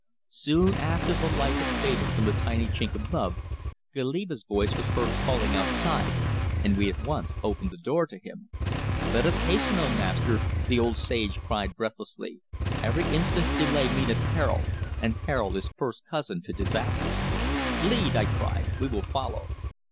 Soon after the light had faded from the tiny chink above, Goliba's voice was heard calling outside, and we at once opened the door to him. "Let us hasten, O Master," the old sage cried breathlessly. "Every instant's delay meaneth peril, and peril is first cousin to disaster." "Lead," I cried. "We will follow."